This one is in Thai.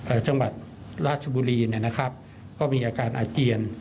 จังหวัดราชบุรีเนี่ยนะครับก็มีอาการอาเจียน